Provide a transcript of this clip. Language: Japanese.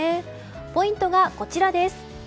ポイントがこちらです。